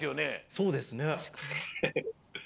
そうですね。